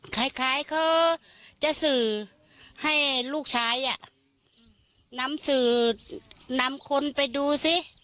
คล้ายเขาจะสื่อให้ลูกชายนำสื่อนำคนไปดูซิ